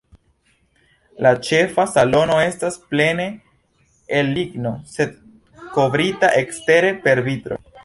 La ĉefa salono estas plene el ligno, sed kovrita ekstere per vitro.